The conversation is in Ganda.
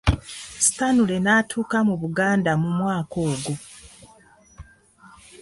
Stanley n'atuuka mu Buganda mu mwaka ogwo.